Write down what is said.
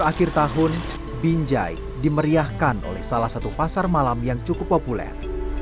pada akhir tahun binjai dimeriahkan oleh salah satu pasar malam yang cukup populer